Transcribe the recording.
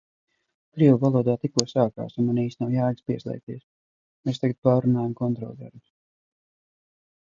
Krievu valodā tikko sākās un man īsti nav jēgas pieslēgties. Mēs tagad pārrunājam kontroldarbus.